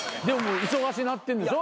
忙しなってんでしょ？